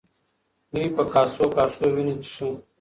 دوی په کاسو کاسو وینې څښي.